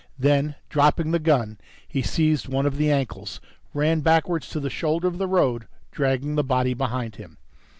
Then, dropping the gun, he seized one of the ankles, ran backwards to the shoulder of the road, dragging the body behind him.